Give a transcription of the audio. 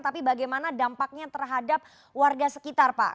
tapi bagaimana dampaknya terhadap warga sekitar pak